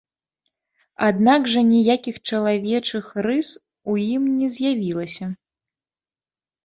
Аднак жа ніякіх чалавечых рыс у ім не з'явілася.